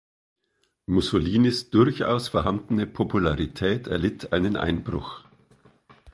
Mussolinis durchaus vorhandene Popularität erlitt einen Einbruch.